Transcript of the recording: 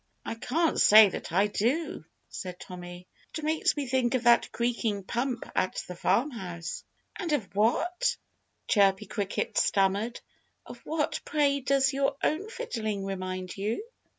"I can't say that I do," said Tommy. "It makes me think of that creaking pump at the farmhouse." "And of what" Chirpy Cricket stammered "of what, pray, does your own fiddling remind you?"